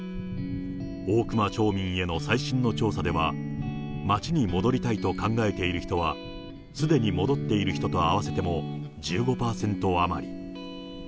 大熊町民への最新の調査では、町に戻りたいと考えている人は、すでに戻っている人と合わせても１５％余り。